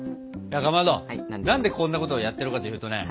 かまど何でこんなことをやってるかっていうとね